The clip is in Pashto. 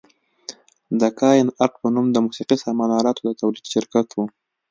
د کاین ارټ په نوم د موسقي سامان الاتو د تولید شرکت و.